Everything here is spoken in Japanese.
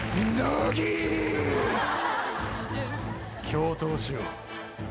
共闘しよう。